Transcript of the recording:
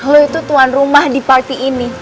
lo itu tuan rumah di party ini